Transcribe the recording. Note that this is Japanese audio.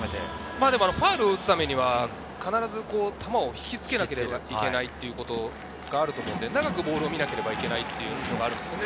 ファウルを打つためには、必ず球を引きつけなければいけないというのがあるので、長くボールを見なきゃいけない。